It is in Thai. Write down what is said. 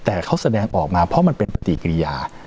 แต่เขาแสดงออกมาเพราะมันเป็นปฏิกิริยา